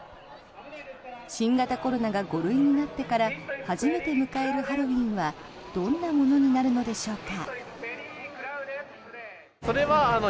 新型コロナが５類になってから初めて迎えるハロウィーンはどんなものになるのでしょうか。